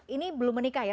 ini belum menikah ya